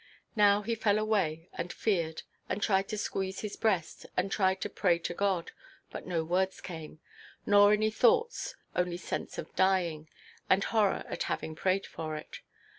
Now he fell away, and feared, and tried to squeeze his breast, and tried to pray to God; but no words came, nor any thoughts, only sense of dying, and horror at having prayed for it.